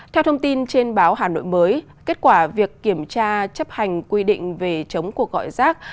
theo thông tin trên báo hà nội mới kết quả việc kiểm tra chấp hành quy định về chống cuộc gọi rác